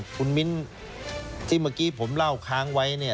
คุณมิ้นที่เมื่อกี้ผมเล่าค้างไว้เนี่ย